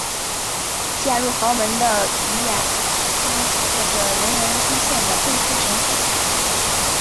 嫁入豪门的禹雅珍过着人人称羡的贵妇生活。